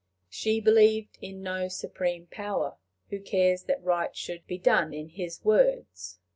She believed in no supreme power who cares that right should be done in his worlds.